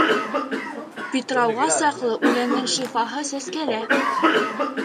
Питрауға саҡлы үләндең шифаһы сәскәлә